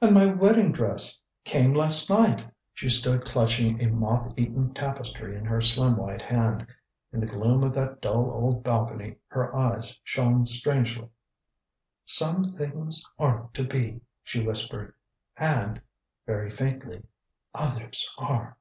"And my wedding dress came last night." She stood clutching a moth eaten tapestry in her slim white hand. In the gloom of that dull old balcony her eyes shone strangely. "Some things aren't to be," she whispered. "And" very faintly "others are."